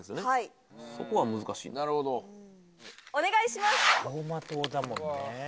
はいそこが難しいなお願いします！